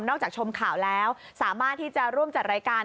จากชมข่าวแล้วสามารถที่จะร่วมจัดรายการ